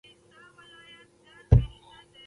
د اسیا ختیځ کې نېغ قامته انسان ژوند کاوه.